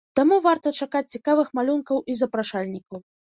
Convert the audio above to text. Таму варта чакаць цікавых малюнкаў і запрашальнікаў.